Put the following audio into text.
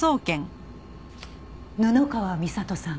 布川美里さん。